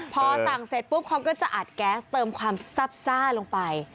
พอสั่งเสร็จปุ๊บเขาก็จะอัดแก๊สเติมความซับซ่าลงไป